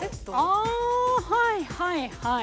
あはいはいはい。